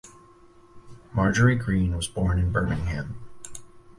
Marjorie Greene was born in Birmingham.